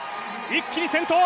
一気に先頭。